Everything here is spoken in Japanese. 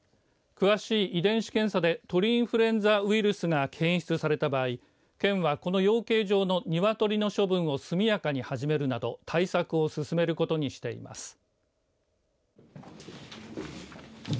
詳しい遺伝子検査で鳥インフルエンザウイルスが検出された場合県はこの養鶏場のニワトリの処分を速やかに始めるなど対策を進めることにしています。